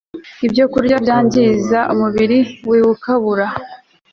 ibyokurya byangiza umubiri biwukabura